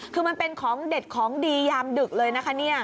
คือมันเป็นของเด็ดของดียามดึกเลยนะคะเนี่ย